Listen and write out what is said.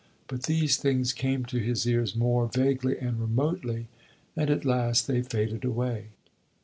But these things came to his ears more vaguely and remotely, and at last they faded away.